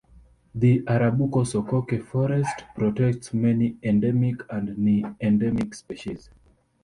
The Arabuko-Sokoke Forest protects many endemic and near endemic species.